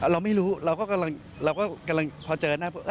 เราไม่รู้เราก็กำลังพอเจอหน้า